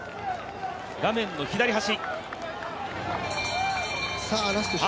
画面の左端。